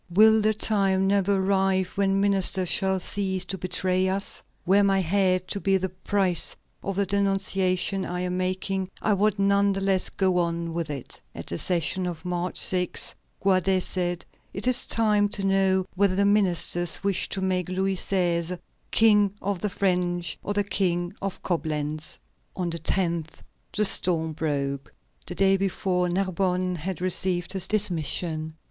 Will the time never arrive when ministers shall cease to betray us? Were my head to be the price of the denunciation I am making, I would none the less go on with it." At the session of March 6, Guadet said: "It is time to know whether the ministers wish to make Louis XVI. King of the French, or the King of Coblentz." On the 10th the storm broke. The day before, Narbonne had received his dismission.